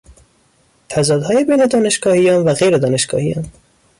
تضادهای بین دانشگاهیان و غیر دانشگاهیان